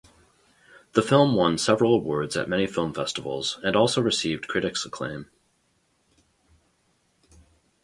The film won several awards at many film festivals and also received critics acclaim.